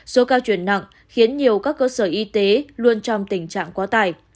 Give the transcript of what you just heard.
số ca chuyển nặng khiến nhiều các cơ sở y tế luôn trong tình trạng quá tải